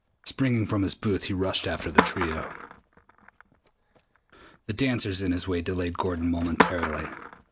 Springing from his booth, he rushed after the trio. The dancers in his way delayed Gordon momentarily.